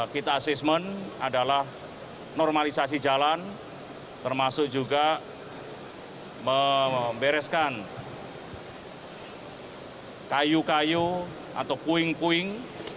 kita asesmen adalah normalisasi jalan termasuk juga membereskan kayu kayu atau puing puing